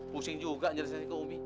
pusing juga nyeri ke umi